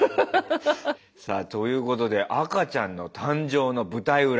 さあということで赤ちゃんの誕生の舞台裏。